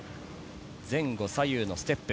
前後左右のステップ。